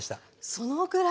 そのぐらい。